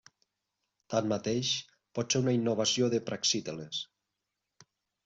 Tanmateix, pot ser una innovació de Praxíteles.